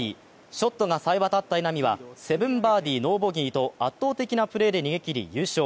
ショットがさえ渡った稲見は、７バーディー・ノーボギーと圧倒的なプレーで逃げきり、優勝。